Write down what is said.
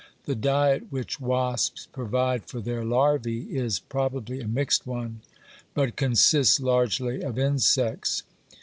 The diet which wasps provide for their larvæ is probably a mixed one, but consists largely of insects.